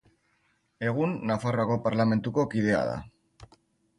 Egun Nafarroako Parlamentuko kidea da.